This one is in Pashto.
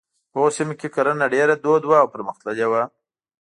په هغو سیمو کې کرنه ډېره دود وه او پرمختللې وه.